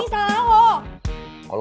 ini salah lo